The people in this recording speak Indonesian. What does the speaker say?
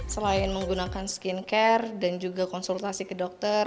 selain menggunakan skincare dan juga konsultasi ke dokter